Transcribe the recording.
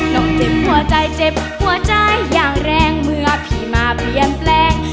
ถึงหัวใจเจ็บหัวใจอย่างแรงเมื่อพี่มาเปลี่ยนแปลง